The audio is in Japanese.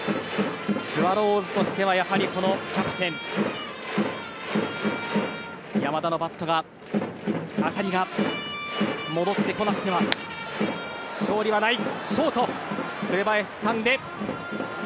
スワローズとしてはこのキャプテン山田のバットが当たりが戻ってこなくては勝利はない。